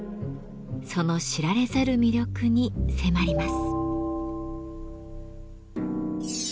その知られざる魅力に迫ります。